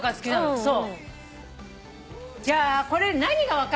そう。